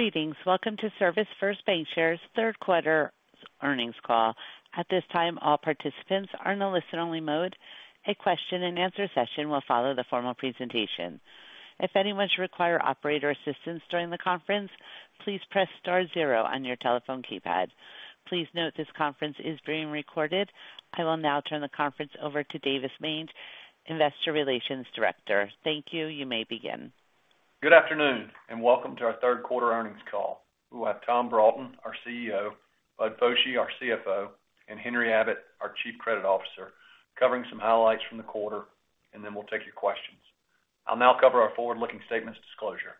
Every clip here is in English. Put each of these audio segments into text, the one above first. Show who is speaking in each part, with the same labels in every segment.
Speaker 1: Greetings. Welcome to ServisFirst Bancshares Q3 earnings call. At this time, all participants are in a listen-only mode. A question-and-answer session will follow the formal presentation. If anyone should require operator assistance during the conference, please press star zero on your telephone keypad. Please note this conference is being recorded. I will now turn the conference over to Davis Manger, Investor Relations Director. Thank you. You may begin.
Speaker 2: Good afternoon, and welcome to our Q3 earnings call. We'll have Tom Broughton, our CEO, Bud Foshee, our CFO, and Henry Abbott, our Chief Credit Officer, covering some highlights from the quarter, and then we'll take your questions. I'll now cover our forward-looking statements disclosure.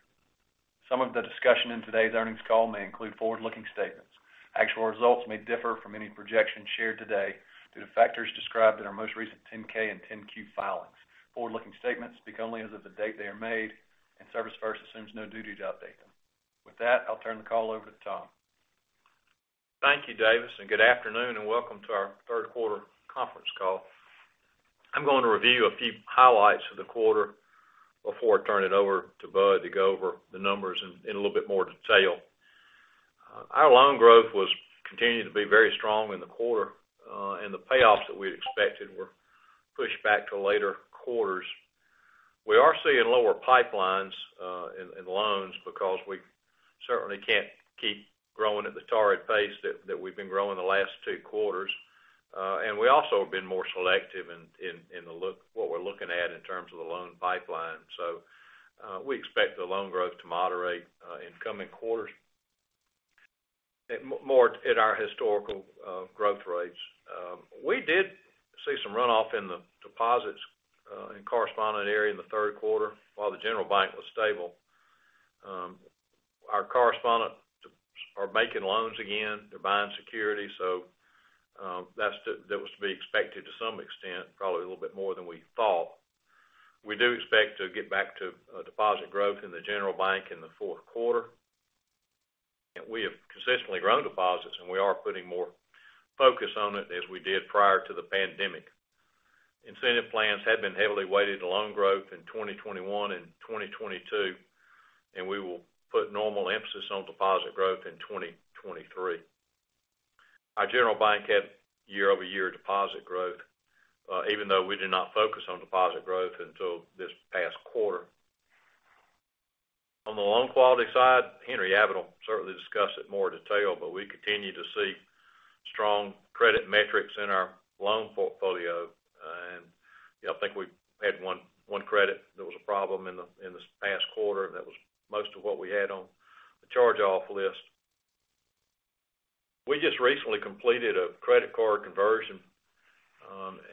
Speaker 2: Some of the discussion in today's earnings call may include forward-looking statements. Actual results may differ from any projections shared today due to factors described in our most recent 10-K and 10-Q filings. Forward-looking statements speak only as of the date they are made, and ServisFirst assumes no duty to update them. With that, I'll turn the call over to Tom.
Speaker 3: Thank you, Davis, and good afternoon, and welcome to our Q3 conference call. I'm going to review a few highlights of the quarter before I turn it over to Bud Foshee to go over the numbers in a little bit more detail. Our loan growth was continuing to be very strong in the quarter, and the payoffs that we had expected were pushed back to later quarters. We are seeing lower pipelines in loans because we certainly can't keep growing at the torrid pace that we've been growing the last two quarters. We also have been more selective in what we're looking at in terms of the loan pipeline. We expect the loan growth to moderate in coming quarters more at our historical growth rates. We did see some runoff in the deposits in correspondent area in the Q3, while the general bank was stable. Our correspondents are making loans again, they're buying securities, so that was to be expected to some extent, probably a little bit more than we thought. We do expect to get back to deposit growth in the general bank in the Q4. We have consistently grown deposits, and we are putting more focus on it as we did prior to the pandemic. Incentive plans had been heavily weighted to loan growth in 2021 and 2022, and we will put normal emphasis on deposit growth in 2023. Our general bank had year-over-year deposit growth, even though we did not focus on deposit growth until this past quarter. On the loan quality side, Henry F. Abbott will certainly discuss it in more detail, but we continue to see strong credit metrics in our loan portfolio. You know, I think we had one credit that was a problem in this past quarter, and that was most of what we had on the charge-off list. We just recently completed a credit card conversion,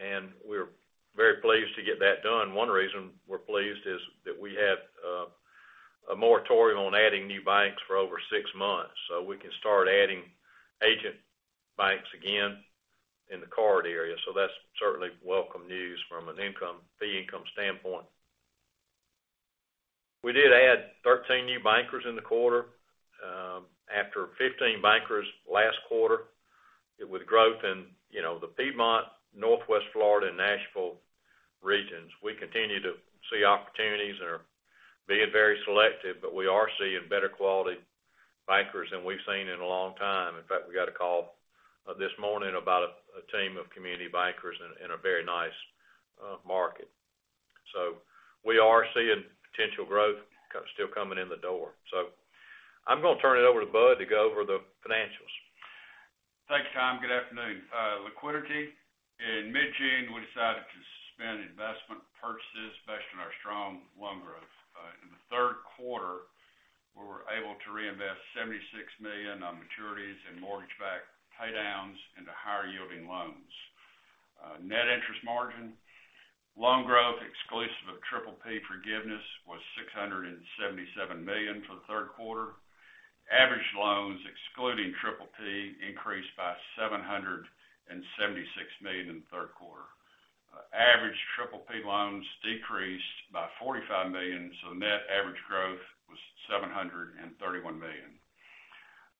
Speaker 3: and we're very pleased to get that done. One reason we're pleased is that we had a moratorium on adding new banks for over six months, so we can start adding agent banks again in the card area. That's certainly welcome news from a fee income standpoint. We did add 13 new bankers in the quarter, after 15 bankers last quarter. With growth in the Piedmont, Northwest Florida and Nashville regions, we continue to see opportunities and are being very selective, but we are seeing better quality bankers than we've seen in a long time. In fact, we got a call this morning about a team of community bankers in a very nice market. We are seeing potential growth kind of still coming in the door. I'm gonna turn it over to Bud to go over the financials.
Speaker 4: Thanks, Tom. Good afternoon. Liquidity. In mid-June, we decided to suspend investment purchases based on our strong loan growth. In the Q3, we were able to reinvest $76 million on maturities and mortgage-backed paydowns into higher yielding loans. Net interest margin, loan growth exclusive of PPP forgiveness was $677 million for the Q3. Average loans excluding PPP increased by $776 million in the Q3. Average PPP loans decreased by $45 million, so the net average growth was $731 million.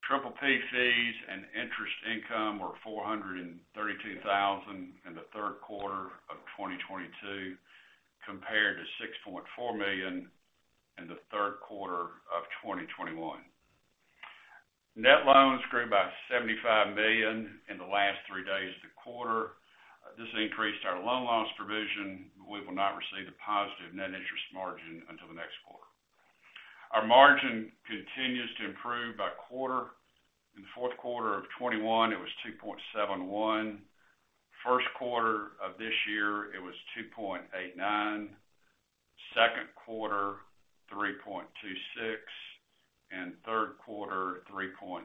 Speaker 4: PPP fees and interest income were $432,000 in the Q3 of 2022, compared to $6.4 million in the Q3 of 2021. Net loans grew by $75 million in the last three days of the quarter. This increased our loan loss provision. We will not receive a positive net interest margin until the next quarter. Our margin continues to improve by quarter. In the Q4 of 2021, it was 2.71%. Q1 of this year, it was 2.89%. Q2, 3.26%. Q3, 3.64%.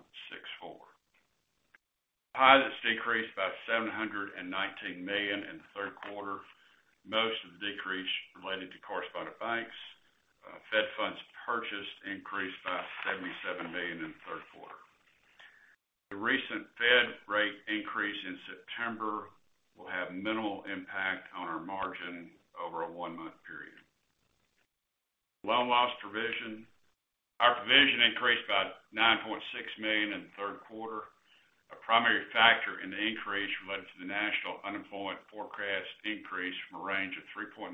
Speaker 4: Deposits decreased by $719 million in the Q3. Most of the decrease related to correspondent banks. Fed funds purchased increased by $77 million in the Q3. The recent Fed rate increase in September will have minimal impact on our margin over a one-month period. Loan loss provision. Our provision increased by $9.6 million in the Q3. a primary factor in the increase related to the national unemployment forecast increase from a range of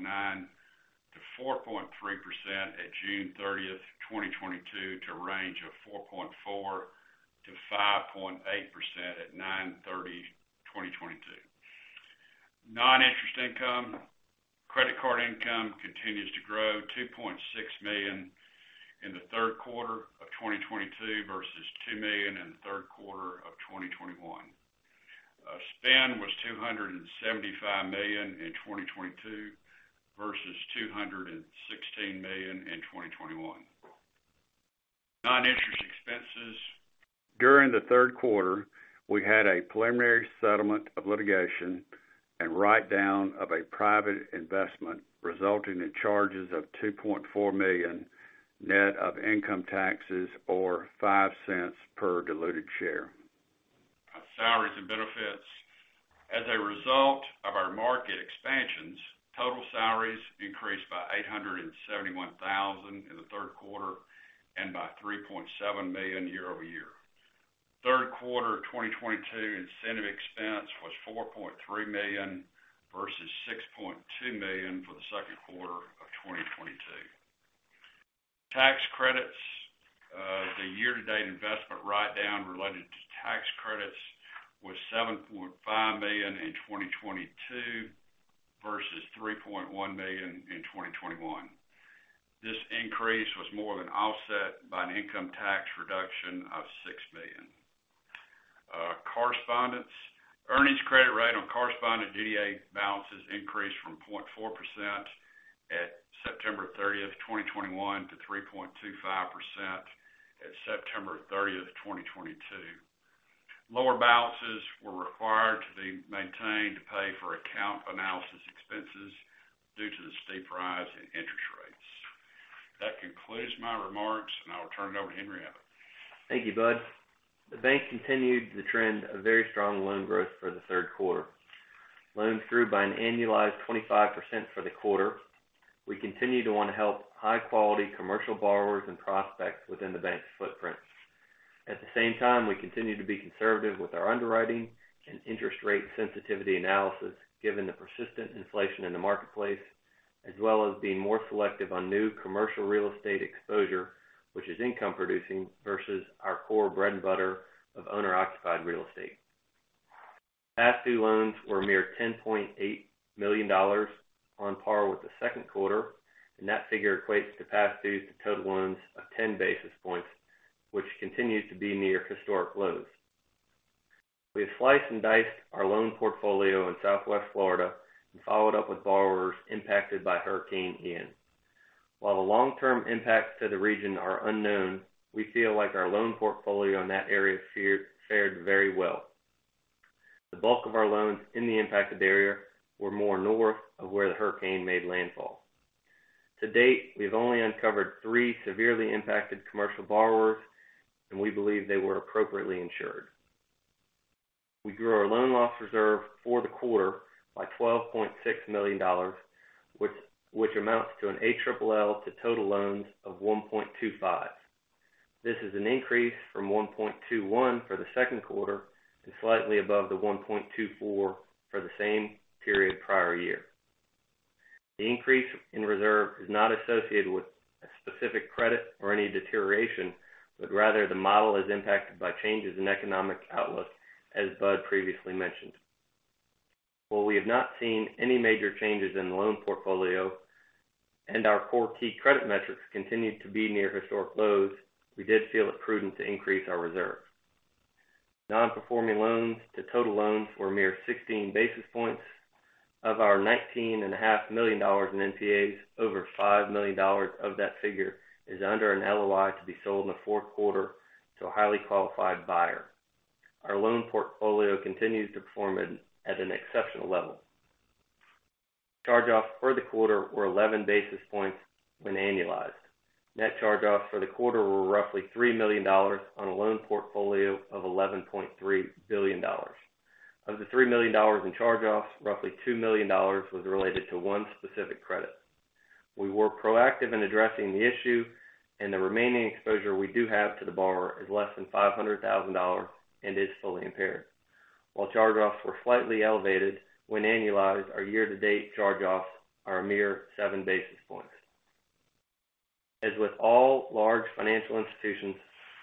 Speaker 4: 3.9%-4.3% at June 30, 2022 to a range of 4.4%-5.8% at September 30, 2022. Non-interest income. Credit card income continues to grow, $2.6 million in the Q3 of 2022 versus $2 million in the Q3 of 2021. Spend was $275 million in 2022 versus $216 million in 2021. Non-interest expenses. During the Q3, we had a preliminary settlement of litigation and write down of a private investment, resulting in charges of $2.4 million net of income taxes, or $0.05 per diluted share. Salaries and benefits. As a result of our market expansions, total salaries increased by $871,000 in the Q3 and by $3.7 million year-over-year. Q3 of 2022, incentive expense was $4.3 million versus $6.2 million for the Q2 of 2022. Tax credits, the year-to-date investment write-down related to tax credits was $7.5 million in 2022 versus $3.1 million in 2021. This increase was more than offset by an income tax reduction of $6 million. Correspondent. Earnings credit rate on correspondent DDA balances increased from 0.4% at September 30, 2021 to 3.25% at September 30, 2022. Lower balances were required to be maintained to pay for account analysis expenses due to the steep rise in interest rates. That concludes my remarks, and I will turn it over to Henry.
Speaker 5: Thank you, Bud. The bank continued the trend of very strong loan growth for the Q3. Loans grew by an annualized 25% for the quarter. We continue to want to help high quality commercial borrowers and prospects within the bank's footprint. At the same time, we continue to be conservative with our underwriting and interest rate sensitivity analysis, given the persistent inflation in the marketplace, as well as being more selective on new commercial real estate exposure, which is income producing versus our core bread and butter of owner-occupied real estate. Past due loans were a mere $10.8 million on par with the Q2, and that figure equates to past due to total loans of 10 basis points, which continue to be near historic lows. We have sliced and diced our loan portfolio in southwest Florida and followed up with borrowers impacted by Hurricane Ian. While the long-term impacts to the region are unknown, we feel like our loan portfolio in that area fared very well. The bulk of our loans in the impacted area were more north of where the hurricane made landfall. To date, we've only uncovered three severely impacted commercial borrowers, and we believe they were appropriately insured. We grew our loan loss reserve for the quarter by $12.6 million, which amounts to an ALL to total loans of 1.25. This is an increase from 1.21 for the Q2 and slightly above the 1.24 for the same period prior year. The increase in reserve is not associated with a specific credit or any deterioration, but rather the model is impacted by changes in economic outlook, as Bud previously mentioned. While we have not seen any major changes in the loan portfolio and our core key credit metrics continued to be near historic lows, we did feel it prudent to increase our reserve. Non-performing loans to total loans were a mere 16 basis points of our $19.5 million in NPAs. Over $5 million of that figure is under an LOI to be sold in the Q4 to a highly qualified buyer. Our loan portfolio continues to perform at an exceptional level. Charge-offs for the quarter were 11 basis points when annualized. Net charge-offs for the quarter were roughly $3 million on a loan portfolio of $11.3 billion. Of the $3 million in charge-offs, roughly $2 million was related to one specific credit. We were proactive in addressing the issue, and the remaining exposure we do have to the borrower is less than $500,000 and is fully impaired. While charge-offs were slightly elevated, when annualized, our year-to-date charge-offs are a mere 7 basis points. As with all large financial institutions,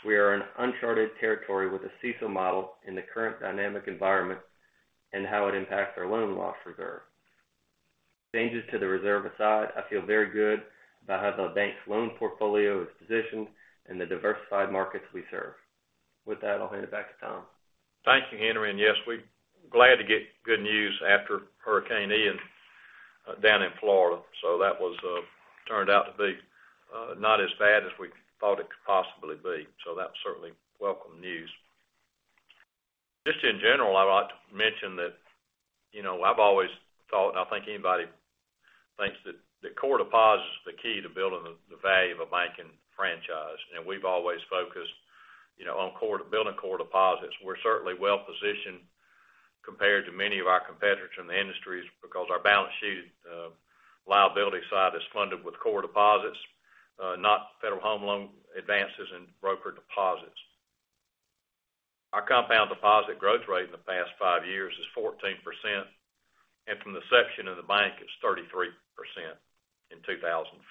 Speaker 5: we are in uncharted territory with the CECL model in the current dynamic environment and how it impacts our loan loss reserve. Changes to the reserve aside, I feel very good about how the bank's loan portfolio is positioned in the diversified markets we serve. With that, I'll hand it back to Tom.
Speaker 4: Thank you, Henry. Yes, we're glad to get good news after Hurricane Ian down in Florida. That turned out to be not as bad as we thought it could possibly be. That's certainly welcome news. Just in general, I'd like to mention that I've always thought, and I think anybody thinks that core deposit is the key to building the value of a banking franchise. We've always focused on core building core deposits. We're certainly well positioned
Speaker 3: Compared to many of our competitors in the industry is because our balance sheet, liability side is funded with core deposits, not Federal Home Loan advances and broker deposits. Our compound deposit growth rate in the past five years is 14%, and from the inception of the bank, it's 33% in 2005.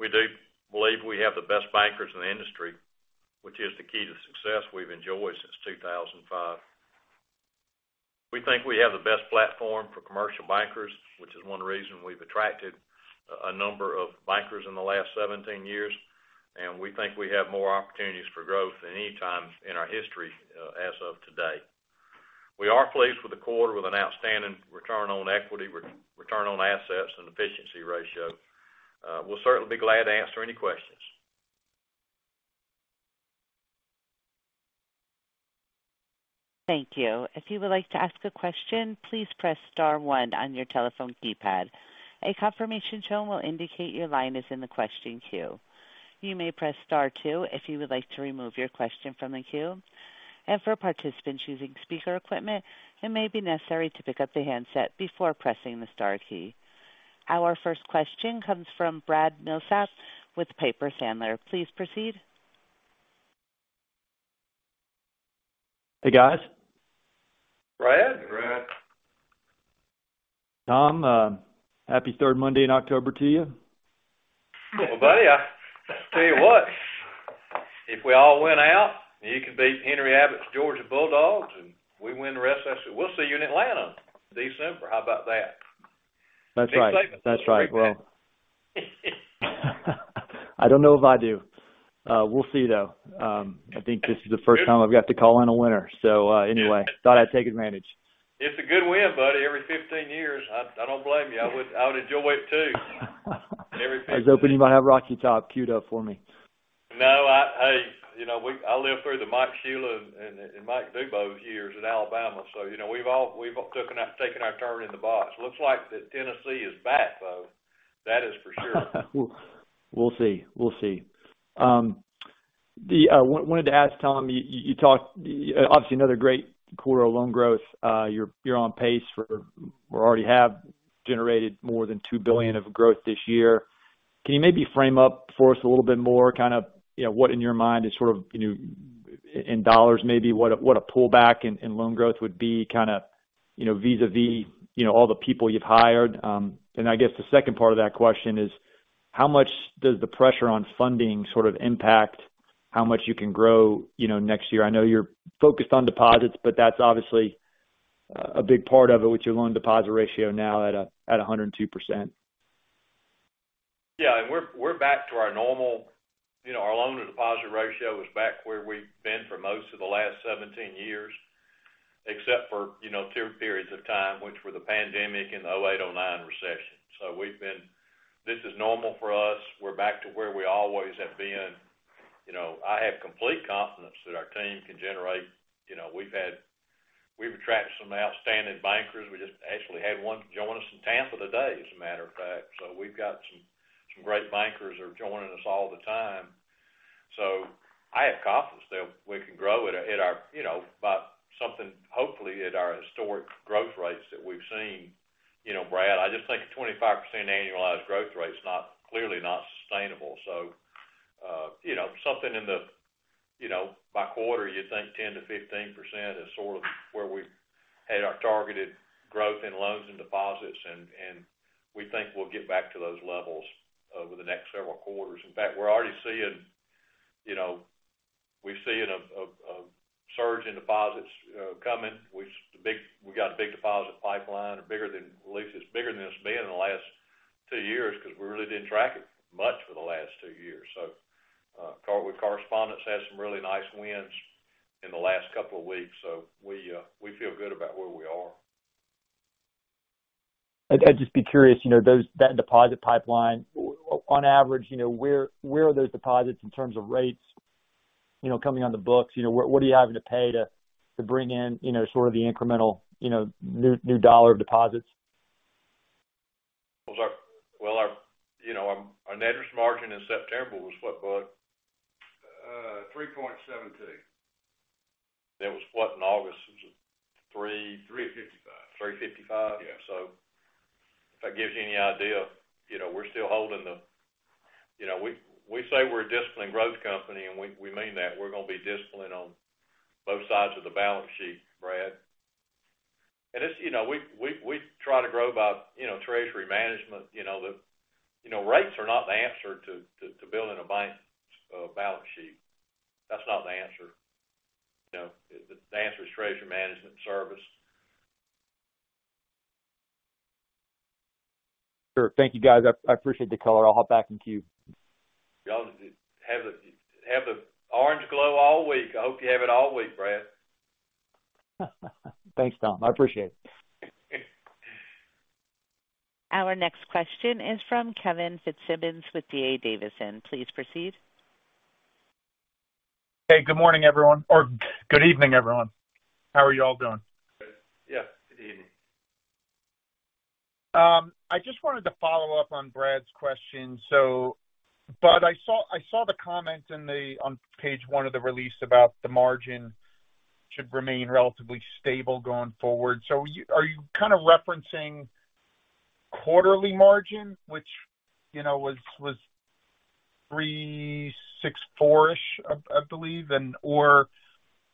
Speaker 3: We do believe we have the best bankers in the industry, which is the key to success we've enjoyed since 2005. We think we have the best platform for commercial bankers, which is one reason we've attracted a number of bankers in the last 17 years, and we think we have more opportunities for growth than any time in our history, as of today. We are pleased with the quarter with an outstanding return on equity, return on assets, and efficiency ratio. We'll certainly be glad to answer any questions.
Speaker 1: Thank you. If you would like to ask a question, please press star one on your telephone keypad. A confirmation tone will indicate your line is in the question queue. You may press star two if you would like to remove your question from the queue. For participants using speaker equipment, it may be necessary to pick up the handset before pressing the star key. Our first question comes from Bradley Miltaps with Piper Sandler. Please proceed.
Speaker 6: Hey, guys.
Speaker 3: Brad.
Speaker 6: Tom, happy third Monday in October to you.
Speaker 3: Well, buddy, I tell you what, if we all win out, you can beat Henry Abbott's Georgia Bulldogs, and we win the rest, I said, we'll see you in Atlanta December. How about that?
Speaker 6: That's right. Well, I don't know if I do. We'll see, though. I think this is the first time I've got to call in a winner, so, anyway, thought I'd take advantage.
Speaker 3: It's a good win, buddy. Every 15 years, I don't blame you. I would enjoy it, too.
Speaker 6: I was hoping you might have Rocky Top queued up for me.
Speaker 3: No, hey I lived through the Mike Shula and Mike DuBose years at Alabama. You know, we've all taken our turn in the box. Looks like that Tennessee is back, though, that is for sure.
Speaker 6: We'll see. Wanted to ask, Tom, you talked obviously another great quarter of loan growth. You're on pace for, or already have generated more than $2 billion of growth this year. Can you maybe frame up for us a little bit more kind of what in your mind is sort of in dollars maybe what a pullback in loan growth would be kinda vis-à-vis all the people you've hired. I guess the second part of that question is how much does the pressure on funding sort of impact how much you can grow next year. I know you're focused on deposits, but that's obviously a big part of it with your loan deposit ratio now at 102%.
Speaker 3: Yeah. We're back to our normal our loan to deposit ratio is back where we've been for most of the last 17 years, except for two periods of time, which were the pandemic and the 2008, 2009 recession. We've been. This is normal for us. We're back to where we always have been. You know, I have complete confidence that our team can generate. You know, we've attracted some outstanding bankers. We just actually had one join us in Tampa today, as a matter of fact. We've got some great bankers are joining us all the time. I have confidence that we can grow at our about something, hopefully, at our historic growth rates that we've seen. You know, Brad, I just think a 25% annualized growth rate is not, clearly not sustainable. Something in the by quarter, you'd think 10%-15% is sort of where we've had our targeted growth in loans and deposits, and we think we'll get back to those levels over the next several quarters. In fact, we're already seeing a surge in deposits coming. We got a big deposit pipeline, at least bigger than it's been in the last two years because we really didn't track it much for the last two years. With correspondence had some really nice wins in the last couple of weeks. We feel good about where we are.
Speaker 6: I'd just be curious that deposit pipeline, on average where are those deposits in terms of rates coming on the books? You know, what are you having to pay to bring in sort of the incremental new dollar deposits?
Speaker 3: Well, our our net interest margin in September was what, Bud?
Speaker 4: 3.70.
Speaker 3: It was what in August? It was a three-
Speaker 4: 3:55.
Speaker 3: 3:55.
Speaker 4: Yeah.
Speaker 3: If that gives you any idea. You know, we're still holding. You know, we say we're a disciplined growth company, and we mean that. We're gonna be disciplined on both sides of the balance sheet, Brad. it's we try to grow by treasury management. You know, rates are not the answer to building a bank's balance sheet. That's not the answer. You know, the answer is treasury management service.
Speaker 6: Sure. Thank you, guys. I appreciate the color. I'll hop back in queue.
Speaker 3: Y'all have the orange glow all week. I hope you have it all week, Brad.
Speaker 6: Thanks, Tom. I appreciate it.
Speaker 1: Our next question is from Kevin Fitzsimmons with D.A. Davidson. Please proceed.
Speaker 7: Hey, good morning, everyone. Or good evening, everyone. How are you all doing?
Speaker 3: Good. Yeah. Good evening.
Speaker 7: I just wanted to follow up on Brad's question. I saw the comments on page one of the release about the margin should remain relatively stable going forward. Are you kind of referencing quarterly margin, which was 3.64-ish, I believe?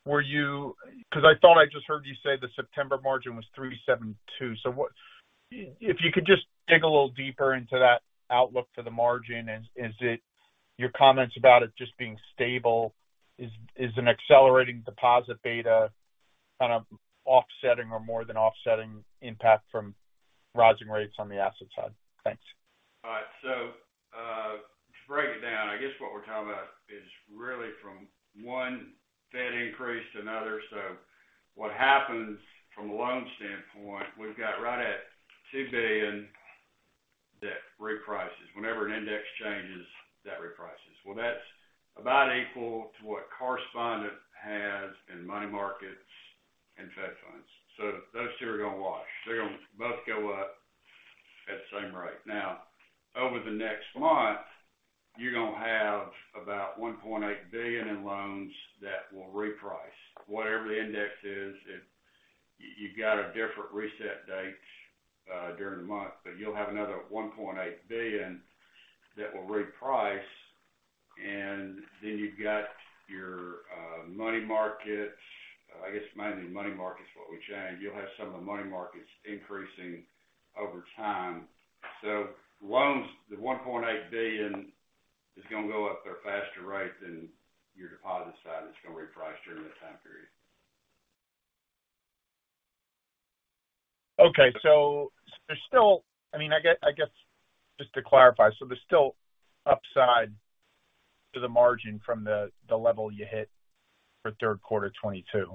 Speaker 7: Were you. Because I thought I just heard you say the September margin was 3.72. If you could just dig a little deeper into that outlook for the margin and is it your comments about it just being stable? Is an accelerating deposit beta kind of offsetting or more than offsetting impact from rising rates on the asset side? Thanks.
Speaker 3: All right. To break it down, I guess what we're talking about is really from one Fed increase to another. What happens from a loan standpoint, we've got right at $2 billion that reprices. Whenever an index changes, that reprices. Well, that's about equal to what correspondent has in money markets and Fed funds. Those two are gonna wash. They're both going to go up at the same rate. Now, over the next month, you're gonna have about $1.8 billion in loans that will reprice. Whatever the index is, it. You've got a different reset dates during the month, but you'll have another $1.8 billion that will reprice. You've got your money markets. I guess, mainly money markets, what would change. You'll have some of the money markets increasing over time. Loans, the $1.8 billion is gonna go up at a faster rate than your deposit side is gonna reprice during that time period.
Speaker 7: Okay. There's still, I mean, I guess, just to clarify. There's still upside to the margin from the level you hit for Q3 2022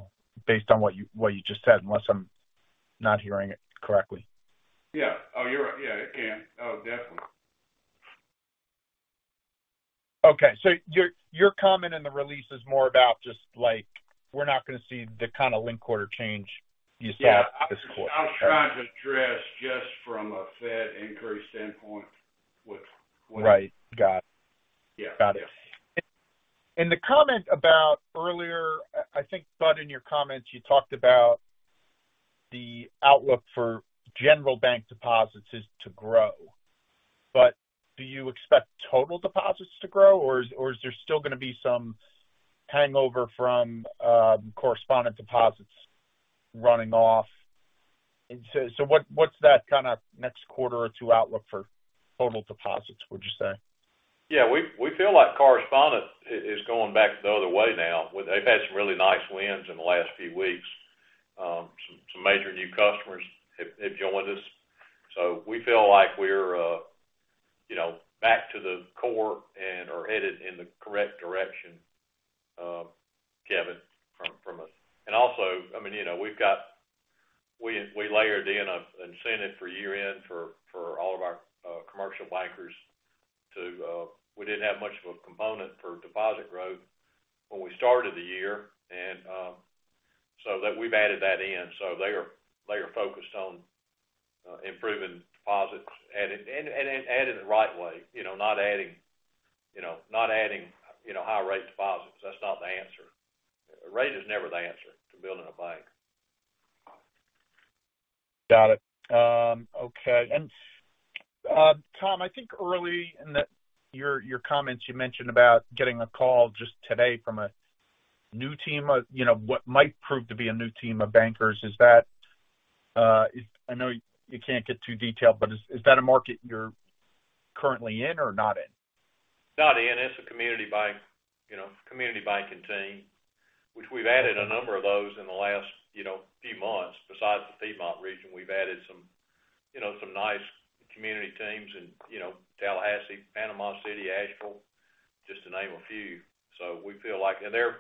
Speaker 7: based on what you just said, unless I'm not hearing it correctly.
Speaker 3: Yeah. Oh, you're right. Yeah, it can. Oh, definitely.
Speaker 7: Okay. Your comment in the release is more about just like, we're not gonna see the kind of linked quarter change you saw this quarter.
Speaker 3: Yeah. I was trying to address just from a Fed increase standpoint with-
Speaker 7: Right. Got it.
Speaker 3: Yeah.
Speaker 7: Got it. In the comments earlier, I think, Bud, in your comments, you talked about the outlook for general bank deposits is to grow. Do you expect total deposits to grow, or is there still gonna be some hangover from correspondent deposits running off? So, what's that kind of next quarter or two outlook for total deposits, would you say?
Speaker 3: Yeah. We feel like correspondent is going back the other way now. They've had some really nice wins in the last few weeks. Some major new customers have joined us. We feel like we're back to the core and are headed in the correct direction, Kevin, from a. Also, I mean we've layered in an incentive for year-end for all of our commercial bankers. We didn't have much of a component for deposit growth when we started the year, so we've added that in. They are focused on improving deposits and add it the right way, you know. Not adding high-rate deposits. That's not the answer. Rate is never the answer to building a bank.
Speaker 7: Got it. Okay. Tom, I think early in your comments, you mentioned about getting a call just today from a new team of what might prove to be a new team of bankers. Is that I know you can't get too detailed, but is that a market you're currently in or not in?
Speaker 3: Not in. It's a community bank community banking team, which we've added a number of those in the last few months. Besides the Piedmont region, we've added some some nice community teams in Tallahassee, Panama City, Asheville, just to name a few. We feel like they're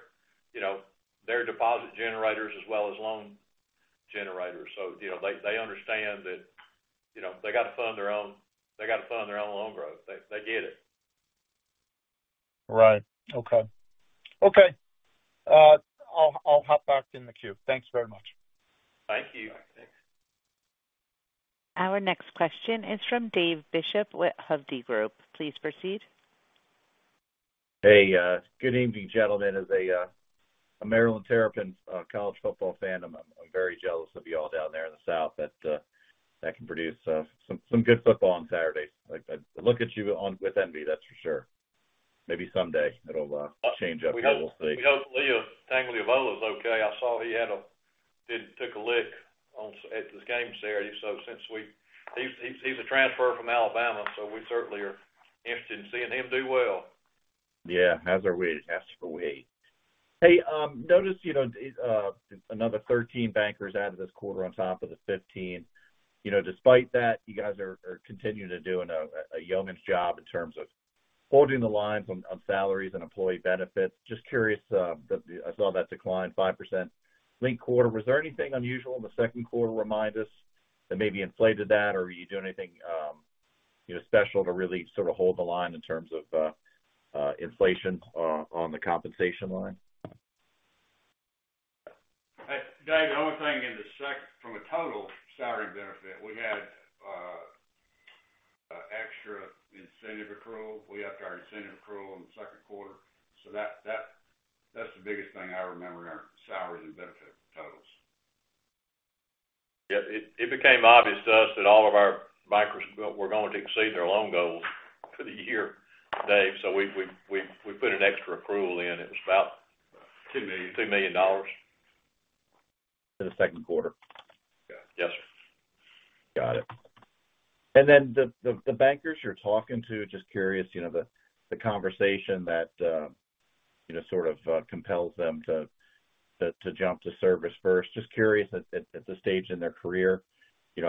Speaker 3: they're deposit generators as well as loan generators. You know, they understand that they gotta fund their own loan growth. They get it.
Speaker 7: Right. Okay. I'll hop back in the queue. Thanks very much.
Speaker 3: Thank you.
Speaker 1: Our next question is from David Bishop with Hovde Group. Please proceed.
Speaker 8: Hey, good evening, gentlemen. As a Maryland Terrapins college football fan, I'm very jealous of y'all down there in the South that can produce some good football on Saturdays. Like, I look at you with envy, that's for sure. Maybe someday it'll change up here. We'll see.
Speaker 3: We hope Taulia Tagovailoa is okay. I saw he took a lick at this game series. He's a transfer from Alabama, so we certainly are interested in seeing him do well.
Speaker 8: Yeah. As are we. Hey, notice another 13 bankers added this quarter on top of the 15. You know, despite that, you guys are continuing to do a yeoman's job in terms of holding the lines on salaries and employee benefits. Just curious, I saw that decline, 5% linked quarter. Was there anything unusual in the Q2, remind us, that maybe inflated that? Or were you doing anything special to really sort of hold the line in terms of inflation on the compensation line?
Speaker 3: Hey, Dave, the only thing from a total salary benefit, we had extra incentive accrual. We upped our incentive accrual in the Q2, so that's the biggest thing I remember in our salaries and benefit totals. Yeah. It became obvious to us that all of our bankers were going to exceed their loan goals for the year, Dave. So we put an extra accrual in. It was about $2 million.
Speaker 8: In the Q2?
Speaker 3: Yes.
Speaker 8: Got it. The bankers you're talking to, just curious the conversation that compels them to jump to ServisFirst. Just curious at the stage in their career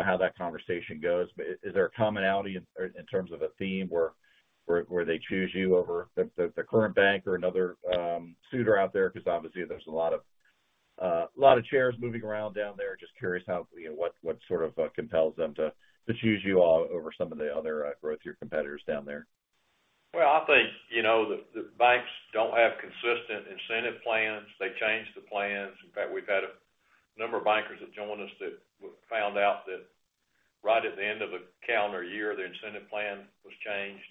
Speaker 8: how that conversation goes. Is there a commonality in terms of a theme where they choose you over the current bank or another suitor out there? Because obviously, there's a lot of chairs moving around down there. Just curious how what sort of compels them to choose you all over some of the other growing competitors down there.
Speaker 3: Well, I think the banks don't have consistent incentive plans. They change the plans. In fact, we've had a number of bankers that join us that we've found out that right at the end of the calendar year, their incentive plan was changed,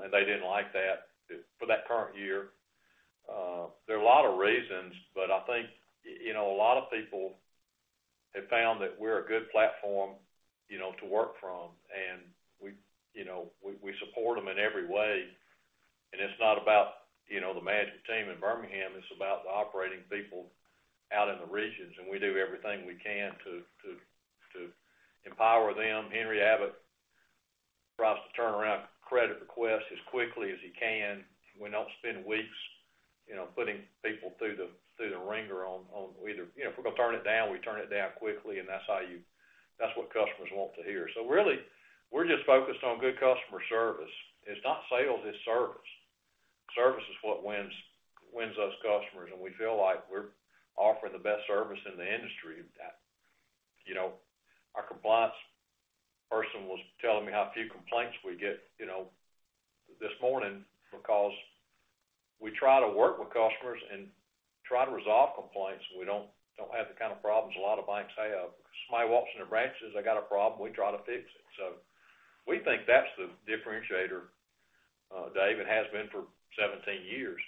Speaker 3: and they didn't like that for that current year. There are a lot of reasons, but I think a lot of people have found that we're a good platform to work from. we support them in every way. It's not about the magic team in Birmingham, it's about the operating people out in the regions, and we do everything we can to empower them. Henry F. Abbott prompts to turn around credit requests as quickly as he can. We don't spend weeks putting people through the wringer on either. You know, if we're gonna turn it down, we turn it down quickly, and that's what customers want to hear. Really, we're just focused on good customer service. It's not sales, it's service. Service is what wins us customers, and we feel like we're offering the best service in the industry. that our compliance person was telling me how few complaints we get this morning because we try to work with customers and try to resolve complaints, and we don't have the kind of problems a lot of banks have. Somebody walks in the branches, they got a problem, we try to fix it. We think that's the differentiator, Dave, and has been for 17 years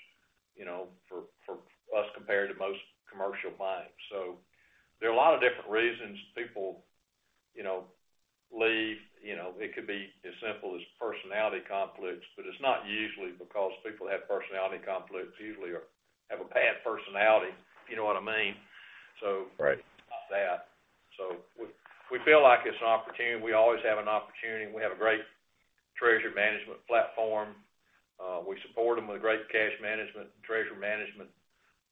Speaker 3: for us compared to most commercial banks. There are a lot of different reasons people leave. You know, it could be as simple as personality conflicts, but it's not usually because people have personality conflicts, usually or have a bad personality, if you know what I mean.
Speaker 8: Right.
Speaker 3: It's not that. We feel like it's an opportunity. We always have an opportunity. We have a great treasury management platform. We support them with great cash management, treasury management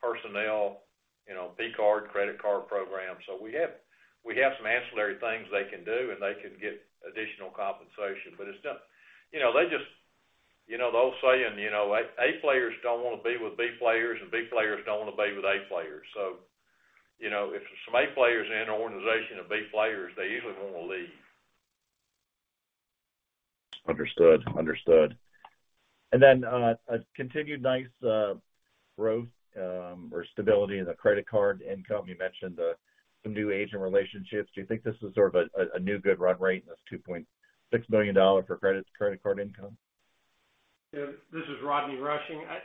Speaker 3: personnel credit card program. We have some ancillary things they can do, and they can get additional compensation. It's not. You know, they just they'll say, and you know, A players don't wanna be with B players, and B players don't wanna be with A players. You know, if some A players in an organization of B players, they usually wanna leave.
Speaker 8: Understood. A continued nice growth or stability in the credit card income. You mentioned some new agent relationships. Do you think this was sort of a new good run rate in this $2.6 million dollars of credit card income?
Speaker 9: Yeah. This is Rodney Rushing. I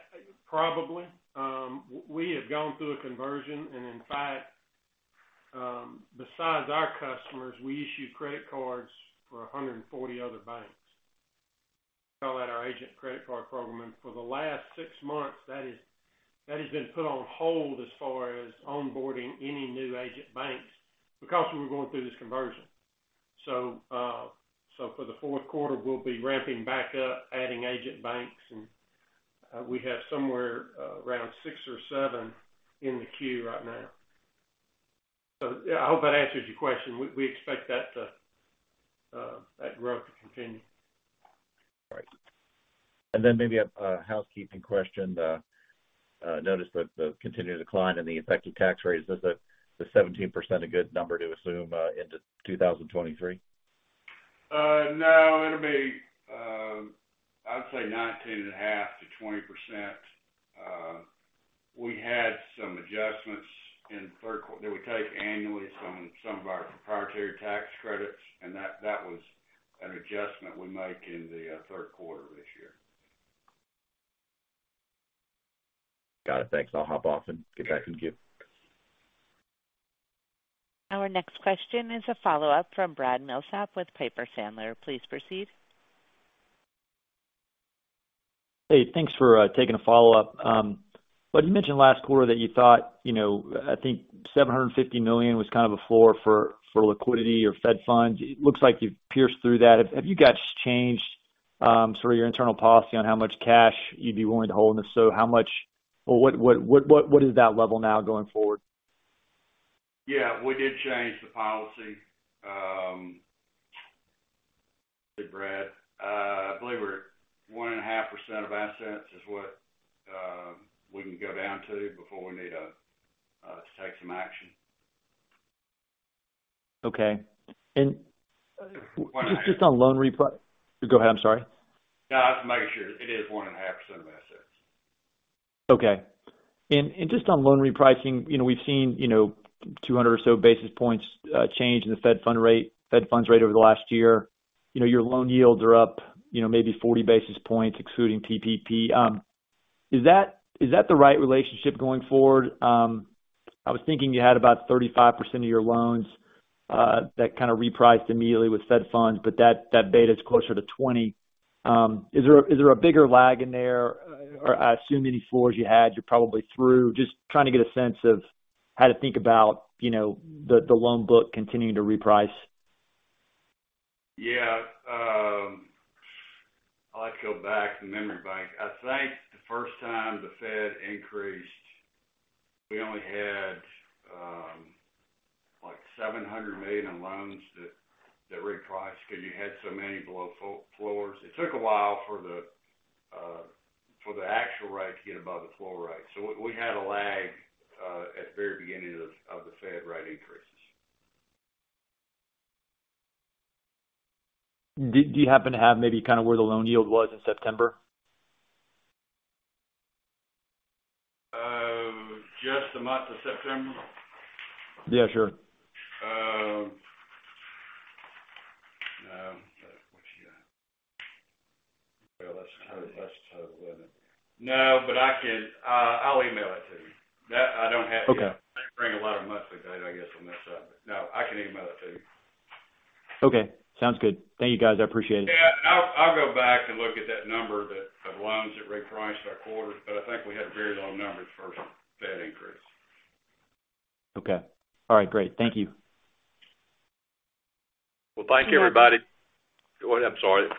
Speaker 9: probably. We have gone through a conversion, and in fact, besides our customers, we issue credit cards for 140 other banks. Call that our agent credit card program. For the last six months, that is, that has been put on hold as far as onboarding any new agent banks because we were going through this conversion. For the Q4, we'll be ramping back up, adding agent banks, and we have somewhere around six or seven in the queue right now. Yeah, I hope that answers your question. We expect that to, that growth to continue.
Speaker 8: All right. Maybe a housekeeping question. Notice the continued decline in the effective tax rate. Is the 17% a good number to assume into 2023?
Speaker 3: No, it'll be, I would say 19.5%-20%. We had some adjustments in Q3 that we take annually some of our proprietary tax credits, and that was an adjustment we make in the Q3 of this year.
Speaker 8: Got it. Thanks. I'll hop off and get back in queue.
Speaker 1: Our next question is a follow-up from Brad Milsaps with Piper Sandler. Please proceed.
Speaker 6: Hey, thanks for taking a follow-up. You mentioned last quarter that you thought I think $750 million was kind of a floor for liquidity or Fed funds. It looks like you've pierced through that. Have you guys changed sort of your internal policy on how much cash you'd be willing to hold, and if so, how much? Or what is that level now going forward?
Speaker 3: Yeah, we did change the policy, Brad. I believe we're 1.5% of assets is what we can go down to before we need to take some action.
Speaker 6: Okay. Go ahead, I'm sorry.
Speaker 4: No, I have to make sure. It is 1.5% of assets.
Speaker 6: Okay. Just on loan repricing we've seen 200 or so basis points change in the Fed funds rate over the last year. You know, your loan yields are up maybe 40 basis points excluding PPP. Is that the right relationship going forward? I was thinking you had about 35% of your loans that kinda repriced immediately with Fed funds, but that beta is closer to 20%. Is there a bigger lag in there? Or I assume any floors you had, you're probably through. Just trying to get a sense of how to think about the loan book continuing to reprice.
Speaker 4: Yeah. I'll have to go back to memory bank. I think the first time the Fed increased, we only had, like, $700 million in loans that repriced because you had so many below floors. It took a while for the actual rate to get above the floor rate. We had a lag at the very beginning of the Fed rate increases.
Speaker 6: Do you happen to have maybe kind of where the loan yield was in September?
Speaker 4: Just the month of September?
Speaker 6: Yeah, sure.
Speaker 4: No. Let's see. Well, let's total limit. No, but I can. I'll email it to you. That I don't have here.
Speaker 6: Okay.
Speaker 4: I didn't bring a lot of monthly data, I guess, on this. No, I can email it to you.
Speaker 6: Okay, sounds good. Thank you, guys. I appreciate it.
Speaker 4: Yeah. I'll go back and look at that number of loans that repriced this quarter, but I think we had very low numbers for Fed increase.
Speaker 6: Okay. All right, great. Thank you.
Speaker 3: Thank you, everybody, for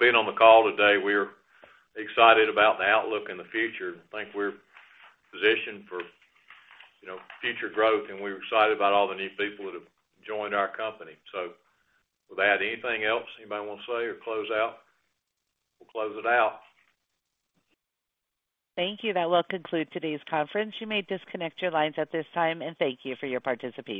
Speaker 3: being on the call today. We're excited about the outlook in the future. I think we're positioned for future growth, and we're excited about all the new people that have joined our company. With that, anything else anybody want to say or close out? We'll close it out.
Speaker 1: Thank you. That will conclude today's conference. You may disconnect your lines at this time, and thank you for your participation.